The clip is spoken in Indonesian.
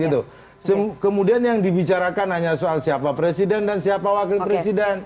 kemudian yang dibicarakan hanya soal siapa presiden dan siapa wakil presiden